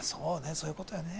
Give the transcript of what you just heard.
そういう事よね。